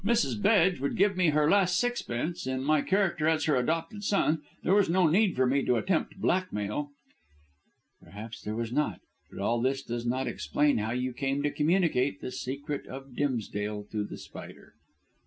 Mrs. Bedge would give me her last sixpence in my character as her adopted son. There was no need for me to attempt blackmail." "Perhaps there was not. But all this does not explain how you came to communicate the secret of Dimsdale to The Spider."